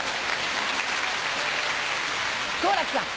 好楽さん。